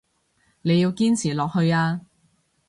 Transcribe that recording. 你要堅持落去啊